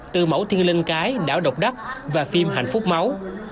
từ mẫu thiên linh cái đảo độc và phim hạnh phúc máu